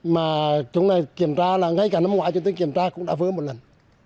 mà chúng ta kiểm tra là ngay cả năm ngoái chúng ta kiểm tra cũng đã vỡ một lần